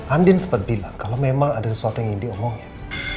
andin sempat bilang kalau memang ada sesuatu yang ingin diomongin